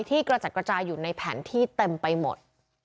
กระจัดกระจายอยู่ในแผนที่เต็มไปหมด